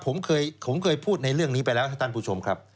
ผมเคยพูดในเรื่องนี้ไปแล้วท่านผู้ชมครับ